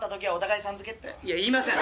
いや言いません。